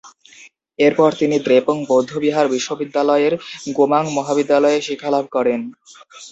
এরপর তিনি দ্রেপুং বৌদ্ধবিহার বিশ্ববিদ্যালয়ের গোমাং মহাবিদ্যালয়ে শিক্ষালাভ করেন।